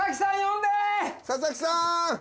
佐々木さん！